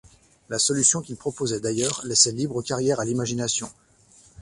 La solution qu’il proposait, d’ailleurs, laissait libre carrière à l’imagination.